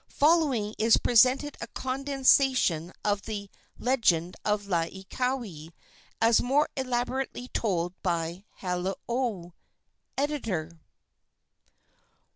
Following is presented a condensation of the legend of Laieikawai, as more elaborately told by Haleole. Editor.